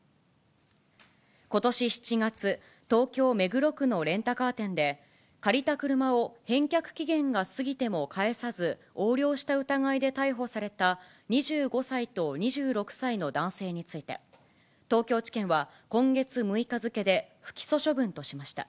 ことし７月、東京・目黒区のレンタカー店で、借りた車を返却期限が過ぎても返さず、横領した疑いで逮捕された２５歳と２６歳の男性について、東京地検は今月６日付で、不起訴処分としました。